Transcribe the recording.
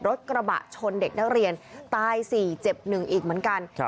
รถกระบะชนเด็กนักเรียนตาย๔เจ็บ๑อีกเหมือนกัน